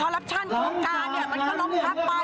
มันก็ล้มพักไปมันต้องปวดสอบต่อเอานักการเมืองมาเข้าคู่ประวัติสวน